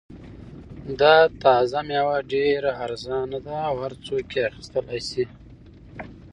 دا تازه مېوه ډېره ارزان ده او هر څوک یې اخیستلای شي.